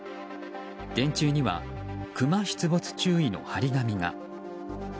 電柱にはクマ出没注意の貼り紙が。